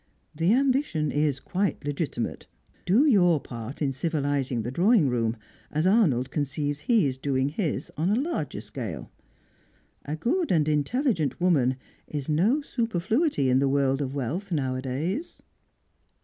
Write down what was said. The ambition is quite legitimate. Do your part in civilising the drawing room, as Arnold conceives he is doing his on a larger scale. A good and intelligent woman is no superfluity in the world of wealth nowadays."